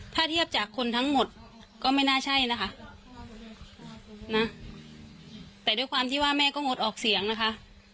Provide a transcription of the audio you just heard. ถ้าเทียบจากคนทั้งหมดก็ไม่น่าใช่นะคะแต่ด้วยความที่ว่าแม่ก็งดออกเสียงนะคะ